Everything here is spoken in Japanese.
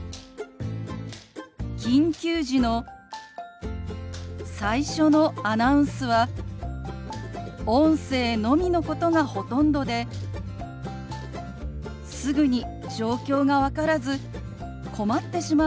緊急時の最初のアナウンスは音声のみのことがほとんどですぐに状況が分からず困ってしまうことが実は多いんです。